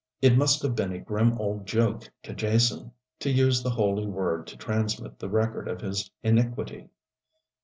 It must have been a grim old joke to Jason to use the Holy Word to transmit the record of his iniquity!